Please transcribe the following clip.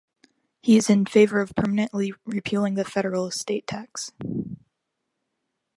He is in favor of permanently repealing the federal estate tax.